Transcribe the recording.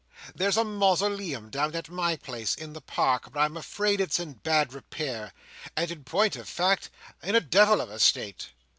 There's a Mausoleum down at my place, in the park, but I'm afraid it's in bad repair, and, in point of fact, in a devil of a state.